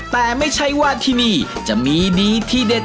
แต่ไม่ใช่ว่าที่นี่จะมีดีที่เด็ด